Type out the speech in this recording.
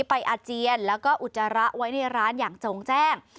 อาเจียนแล้วก็อุจจาระไว้ในร้านอย่างจงแจ้ง